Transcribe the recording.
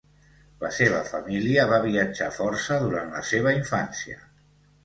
La seva família va viatjar força durant la seva infància.